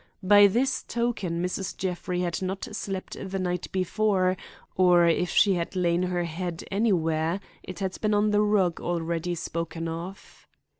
By this token Mrs. Jeffrey had not slept the night before, or if she had laid her head anywhere it had been on the rug already spoken of.